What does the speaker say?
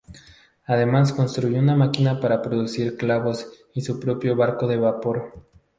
Además construyó una máquina para producir clavos y su propio barco de vapor.